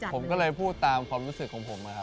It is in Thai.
ผมก็เลยพูดตามความรู้สึกของผมนะครับ